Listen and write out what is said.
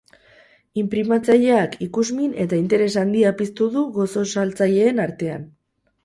Inprimatzaileak ikusmin eta interes handia piztu du gozo-saltzaileen artean.